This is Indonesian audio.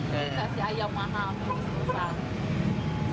kasih ayam mahal terus terusan